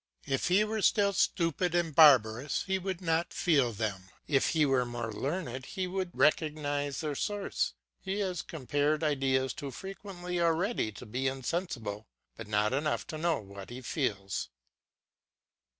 If he were still stupid and barbarous he would not feel them; if he were more learned he would recognise their source; he has compared ideas too frequently already to be insensible, but not enough to know what he feels.